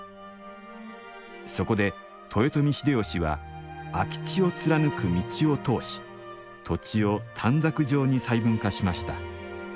そこで豊臣秀吉は空き地を貫く道を通し土地を短冊状に細分化しました。